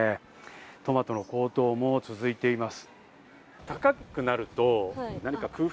トマトの高騰も続いています。